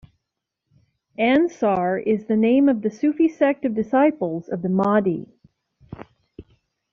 Ansar is the name of the Sufi sect of disciples of the Mahdi.